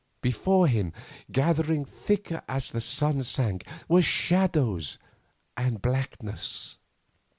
Before him, gathering thicker as the sun sank, were shadows and blackness.